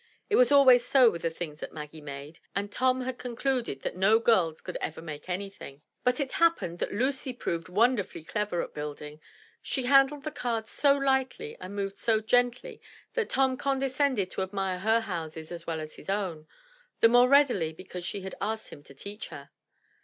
It was always so with the things that Maggie made, and Tom had con cluded that no girls could ever make anything. But it happened 228 THE TREASURE CHEST that Lucy proved wonderfully clever at building; she handled the cards so lightly and moved so gently that Tom condescended to admire her houses as well as his own, the more readily because she had asked him to teach her.